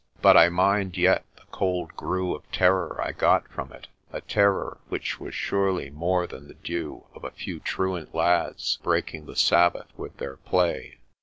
But I mind yet the cold grue of terror I got from it, a terror which was surely more than the due of a few truant lads breaking the Sabbath with their play.